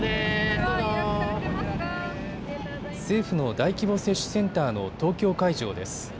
政府の大規模接種センターの東京会場です。